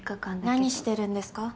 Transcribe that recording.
何してるんですか？